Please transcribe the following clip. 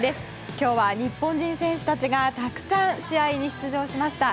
今日は日本人選手たちがたくさん試合に出場しました。